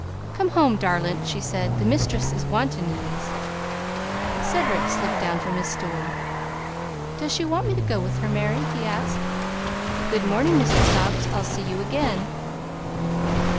"Come home, darlint," she said; "the misthress is wantin' yez." Cedric slipped down from his stool. "Does she want me to go out with her, Mary?" he asked. "Good morning, Mr. Hobbs. I'll see you again."